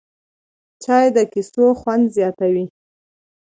چای د کیسو خوند زیاتوي